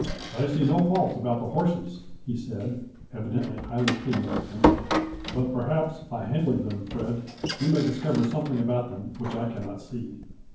" I see no faults about the horses," he said, evidently highly pleased with them ;" but per haps, by handling them, Fred, you may discover something about them which I cannot see."